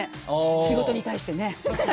仕事に対してね。